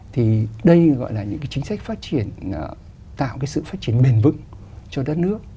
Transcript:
thì đây gọi là những cái chính sách phát triển tạo cái sự phát triển bền vững cho đất nước